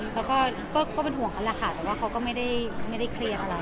เพราะก็เป็นห่วงคำนาคารว่าเขาก็ไม่ได้เคลียร์อะไร